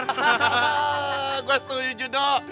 hahaha gue setuju judo